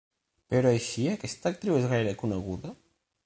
Però així aquesta actriu és gaire coneguda?